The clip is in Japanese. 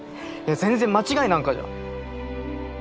全然間違いなんかじゃ。